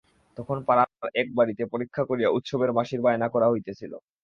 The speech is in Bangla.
তখন পাড়ার এক বাড়িতে পরীক্ষা করিয়া উৎসবের বাঁশির বায়না করা হইতেছিল।